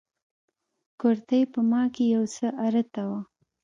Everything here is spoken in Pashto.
کورتۍ په ما کښې يو څه ارته وه.